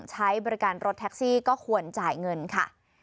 ใช้บริการรถแท็กซี่ก็ควรจ่ายเงินค่ะ